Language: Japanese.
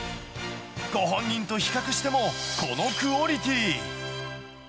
ご本人と比較しても、このクオリティー。